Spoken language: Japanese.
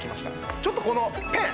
ちょっとこのペン。